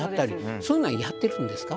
そういうのはやってるんですか？